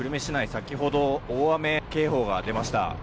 先ほど大雨警報が出ました。